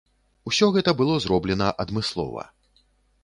Усё гэта было зроблена адмыслова.